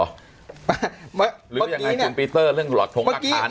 หรือยังไงคุณปีเตอร์เรื่องหลอดชงอาคาร